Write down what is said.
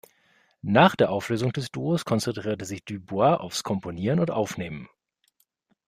Nach der Auflösung des Duos konzentrierte sich Du Bois aufs Komponieren und Aufnehmen.